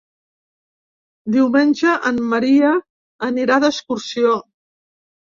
Diumenge en Maria anirà d'excursió.